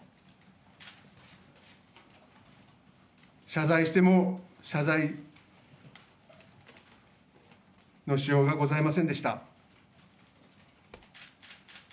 謝罪しても謝罪のしようがございませんでした。